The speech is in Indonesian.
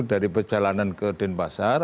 dari perjalanan ke denpasar